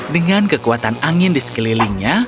dengan kekuatan angin di sekelilingnya